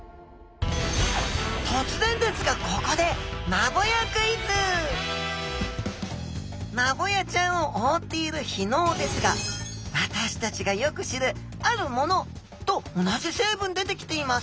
突然ですがここでマボヤちゃんを覆っている被のうですが私たちがよく知るあるものと同じ成分で出来ています。